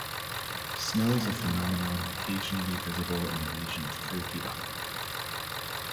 Snow is a phenomenon occasionally visible in the region of Curitiba.